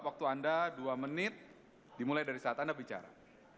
waktu anda dua menit dimulai dari saat anda bicara